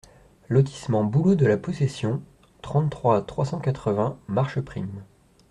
Lotissement Bouleaux de la Possession, trente-trois, trois cent quatre-vingts Marcheprime